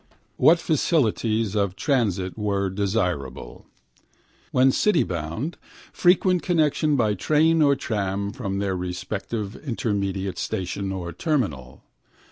What facilities of transit were desirable? When citybound frequent connection by train or tram from their respective intermediate station or terminal.